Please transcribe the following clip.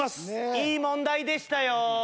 いい問題でしたよ。